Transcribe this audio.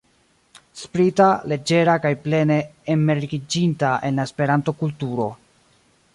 Sprita, leĝera kaj plene enmergiĝinta en la Esperanto-kulturo.